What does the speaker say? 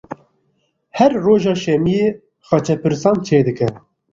Her roja şemiyê xaçepirsan çêdike.